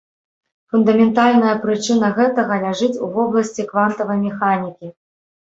Фундаментальная прычына гэтага ляжыць у вобласці квантавай механікі.